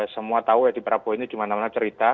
semua tahu edi prabowo ini dimana mana cerita